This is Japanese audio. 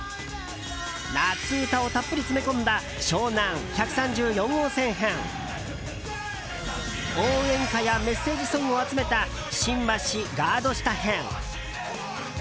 夏歌をたっぷり詰め込んだ「湘南１３４号線編」応援歌やメッセージソングを集めた「新橋ガード下編」